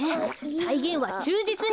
さいげんはちゅうじつに！